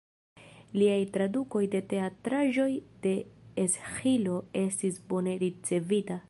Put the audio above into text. Liaj tradukoj de teatraĵoj de Esĥilo estis bone ricevita.